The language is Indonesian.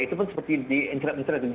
itu pun seperti di internet internet